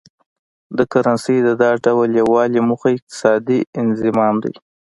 د کرنسۍ د دا ډول یو والي موخه اقتصادي انضمام دی.